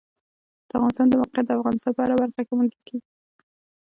د افغانستان د موقعیت د افغانستان په هره برخه کې موندل کېږي.